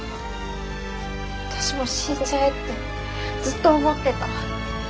私も死んじゃえってずっと思ってた。